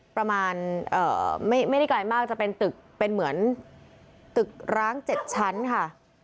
ประมาณไม่ได้ไกลมากจะเป็นตึกเป็นเหมือนตึกร้าง๗ชั้นค่ะ